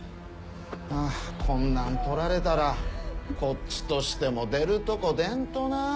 あぁこんなん撮られたらこっちとしても出るとこ出んとなぁ。